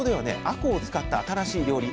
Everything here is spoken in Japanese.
あこうを使った新しい料理